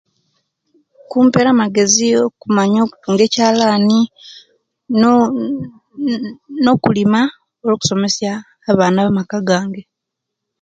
Kumpere amagezi okumanya okutunga ekyalani no noooo nokulima nokusomesa abaana abomaka gange